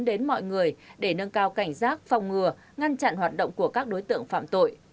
đến mọi người để nâng cao cảnh giác phòng ngừa ngăn chặn hoạt động của các đối tượng phạm tội